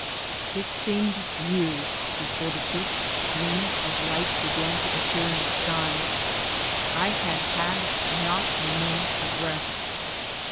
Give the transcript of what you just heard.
It seemed years before the first gleams of light began to appear in the sky. I had had not a mo ment of rest.